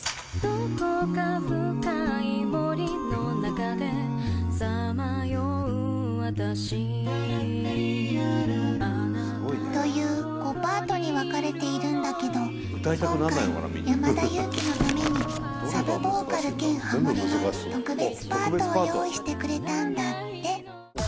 どこか深い森の中でさまようわたしタラッタリリララという５パートに分かれているんだけど今回山田裕貴のためにサブボーカル兼ハモリの特別パートを用意してくれたんだって